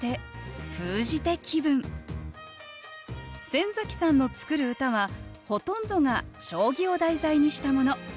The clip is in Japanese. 先崎さんの作る歌はほとんどが将棋を題材にしたもの。